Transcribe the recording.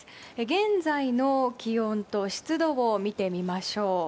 現在の気温と湿度を見てみましょう。